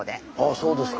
そうですか。